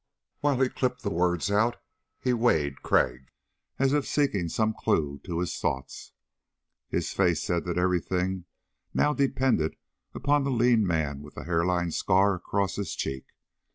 While he clipped the words out he weighed Crag, as if seeking some clue to his thoughts. His face said that everything now depended upon the lean man with the hairline scar across his cheek.